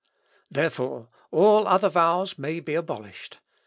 Therefore, all other vows may be abolished.